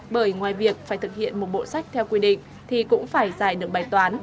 bởi ngoài việc phải thực hiện một bộ sách theo quy định thì cũng phải giải được bài toán